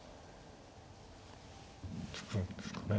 突くんですかね。